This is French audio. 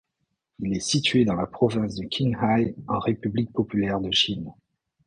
Il est situé dans la province du Qinghai, en République populaire de Chine.